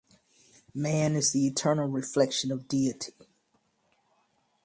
Man is the eternal reflection of Deity.